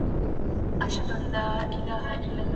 خدای ورکړي دوه زامن په یوه شپه وه